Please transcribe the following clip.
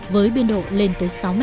với biên độ lên tới sáu m